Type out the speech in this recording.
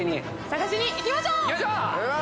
探しに行きましょう！